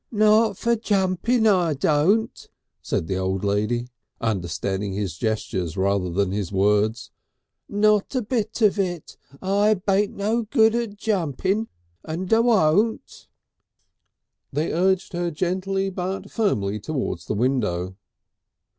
"Not for jumpin' I don't," said the old lady, understanding his gestures rather than his words. "Not a bit of it. I bain't no good at jumping and I wunt." They urged her gently but firmly towards the window.